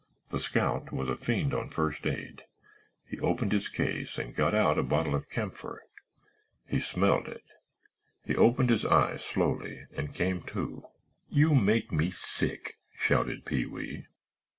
The scout was a fiend on first aid. He opened his case and got out a bottle of camphor. He smelled it. He opened his eyes slowly and came to——" "You make me sick!" shouted Pee wee.